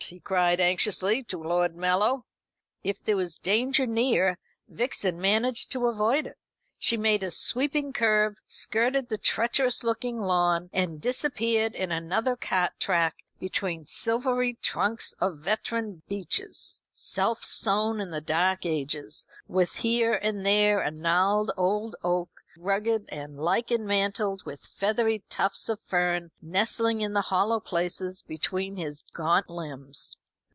he cried anxiously to Lord Mallow. If there was danger near Vixen managed to avoid it; she made a sweeping curve, skirted the treacherous looking lawn, and disappeared in another cart track, between silvery trunks of veteran beeches, self sown in the dark ages, with here and there a gnarled old oak, rugged and lichen mantled, with feathery tufts of fern nestling in the hollow places between his gaunt limbs.